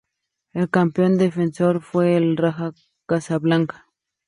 El campeón defensor fue el Raja Casablanca.